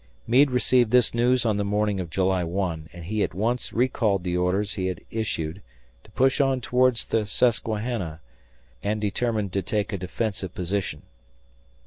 Meade received this news on the morning of July 1, and he at once recalled the orders he had issued to push on towards the Susquehanna and determined to take a defensive position.